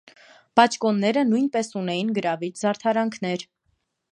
Բաճկոնները նոյնպէս ունէին գրաւիչ զարդարանքներ։